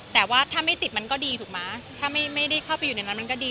แต่ว่าถ้าไม่ติดมันก็ดีถูกไหมถ้าไม่ได้เข้าไปอยู่ในนั้นมันก็ดี